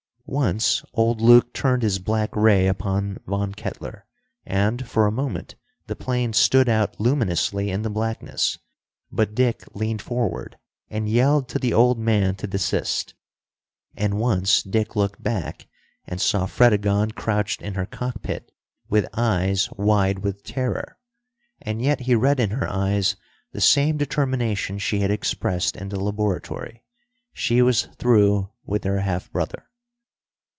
Once old Lake turned his black ray upon Von Kettler, and for, a moment the plane stood out luminously in the blackness, but Dick leaned forward and yelled to the old man to desist. And once Dick looked back and saw Fredegonde crouched in her cockpit with eyes wide with terror. And yet he read in her eyes the same determination she had expressed in the laboratory. She was through with her half brother.